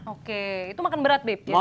oke itu makan berat beb ya saya